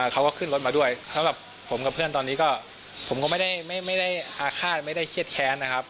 เขาก็ขึ้นรถมาด้วยสำหรับผมกับเพื่อนตอนนี้ก็ผมก็ไม่ได้อาฆาตไม่ได้เครียดแค้นนะครับ